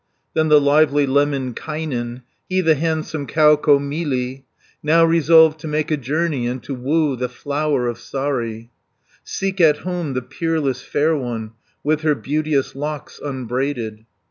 60 Then the lively Lemminkainen, He the handsome Kaukomieli, Now resolved to make a journey And to woo the Flower of Saari, Seek at home the peerless fair one, With her beauteous locks unbraided.